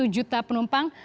satu satu juta penumpang